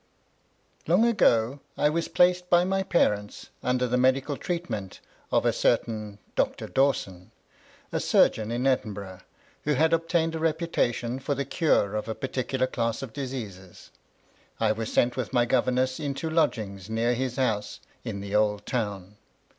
Long ago I was placed by my parents under the medical treatment of a certain Mr. Dawson, a sur geon in Edinburgh, who had obtained a reputation for the cure of a particular class of diseases. I was sent with my governess into lodgings near his house, in the Old Town.